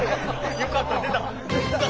よかった出た。